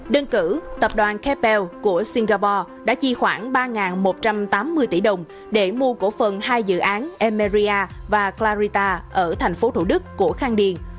đơn cử tập đoàn kepel của singapore đã chi khoảng ba một trăm tám mươi tỷ đồng để mua cổ phần hai dự án emeria và clarita ở thành phố thủ đức của khang điền